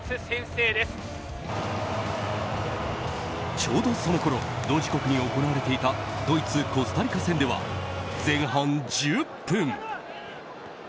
ちょうど、そのころ同時刻に行われていたドイツ、コスタリカ戦では前半１０分。